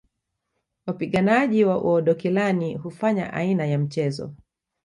Wapiganaji wa Oodokilani hufanya aina ya mchezo